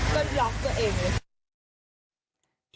ก็ล็อกตัวเองเลย